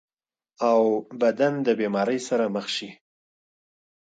او بدن د بيمارۍ سره مخ شي -